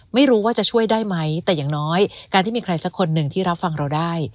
ไม่รู้ว่าจะช่วยได้ไหมแต่อย่างน้อยการที่มีใครสักคนหนึ่งที่รับฟังเราได้